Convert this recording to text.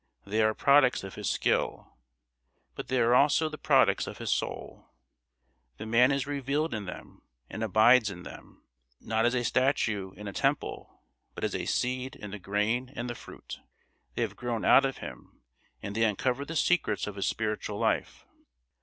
They are products of his skill; but they are also the products of his soul. The man is revealed in them, and abides in them, not as a statue in a temple, but as a seed in the grain and the fruit. They have grown out of him, and they uncover the secrets of his spiritual life.